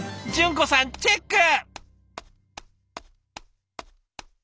淳子さんチェック！